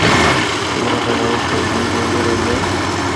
کدرے خاموش تے عجیب منظر ہوندا ہے۔